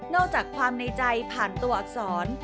อกจากความในใจผ่านตัวอักษร